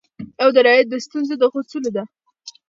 او درایت د ستونزو د غوڅولو ده